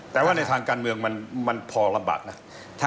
แต่ว่าในทางการเมืองมันพอลำบากนะ